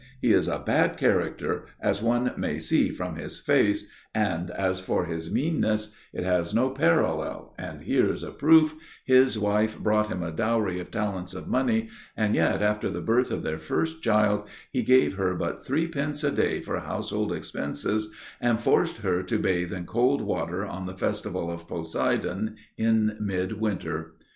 He is a bad character, as one may see from his face, and as for his meanness, it has no parallel and here is a proof: His wife brought him a dowry of talents of money and yet after the birth of their first child, he gave her but three pence a day for household expenses and forced her to bathe in cold water on the festival of Poseidon in midwinter."